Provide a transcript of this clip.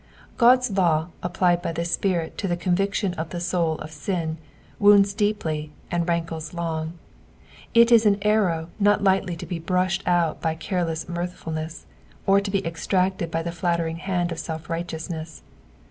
Ood's law applied by the Spirit to thd convic tion of the soul of sin, wounds deeply and rankles long; it is an arrow not lightly to be brushed out by careless mirtlifulncKS, or to be extracted by the flattering hand of self iighteousnees.